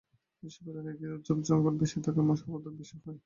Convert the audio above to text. এসব এলাকা ঘিরে ঝোপ বা জঙ্গল বেশি থাকায় মশার উপদ্রব বেশি হয়।